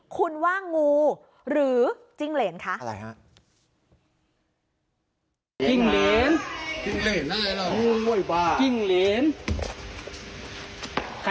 คุณว่างูหรือจิ้งเหรนคะ